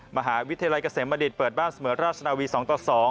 มหาวิทยาลัยเกษมบดิษฐ์เปิดบ้านเสมอราชนาวี๒ต่อ๒